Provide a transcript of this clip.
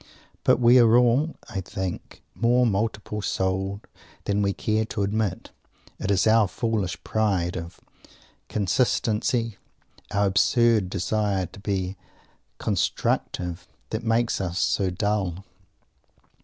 But we are all, I think, more multiple souled than we care to admit. It is our foolish pride of consistency, our absurd desire to be "constructive," that makes us so dull.